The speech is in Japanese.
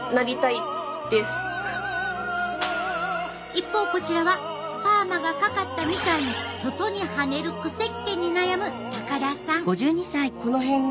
一方こちらはパーマがかかったみたいに外にはねるくせっ毛に悩む高田さん。